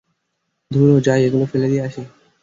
ধুরো, যাই এগুলো ফেলে দিয়ে আসি।